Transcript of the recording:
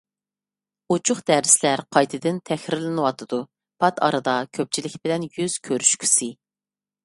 ئوچۇق دەرسلەر قايتىدىن تەھرىرلىنىۋاتىدۇ. پات ئارىدا كۆپچىلىك بىلەن يۈز كۆرۈشكۈسى!